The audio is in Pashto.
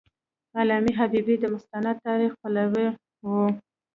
علامه حبیبي د مستند تاریخ پلوی و.